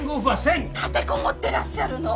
立て籠もってらっしゃるの。